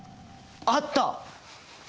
あった！